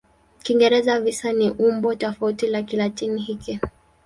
Kiingereza "visa" ni umbo tofauti la Kilatini hiki.